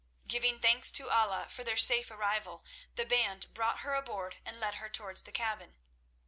Giving thanks to Allah for their safe arrival, the band brought her aboard and led her towards the cabin.